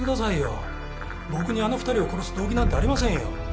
僕にあの２人を殺す動機なんてありませんよ。